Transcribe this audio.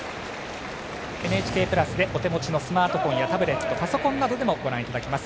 「ＮＨＫプラス」で、お手持ちのスマートフォンやタブレットパソコンなどでもご覧いただけます。